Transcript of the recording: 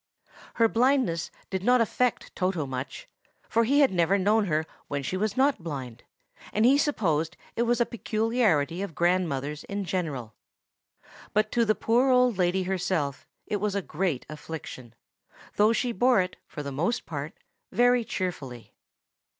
Her blindness did not affect Toto much; for he had never known her when she was not blind, and he supposed it was a peculiarity of grandmothers in general. But to the poor old lady herself it was a great affliction, though she bore it, for the most part, very cheerfully.